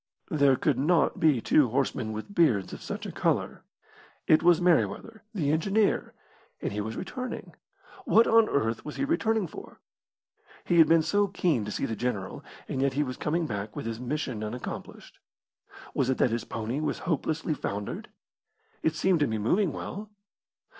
There could not be two horsemen with beards of such a colour. It was Merryweather, the engineer, and he was returning. What on earth was he returning for? He had been so keen to see the general, and yet he was coming back with his mission unaccomplished. Was it that his pony was hopelessly foundered? It seemed to be moving well.